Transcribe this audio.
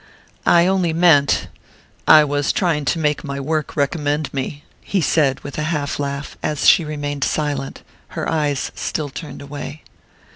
"I only meant I was trying to make my work recommend me..." he said with a half laugh, as she remained silent, her eyes still turned away.